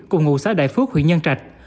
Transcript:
cùng ngụ xã đại phước huyền nhân trạch